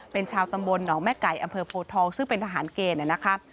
เป็นชาวตำบลหนองแม่ไก่อำเภอโพทองซึ่งเป็นทหารเกณฑ์นะครับ